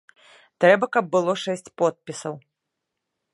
Трэба каб было шэсць подпісаў.